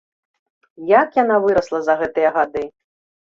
Як яна вырасла за гэтыя гады!